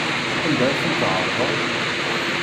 Anda ay ten-tɛerḍeḍ?